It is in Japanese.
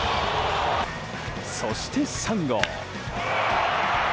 そして、３号。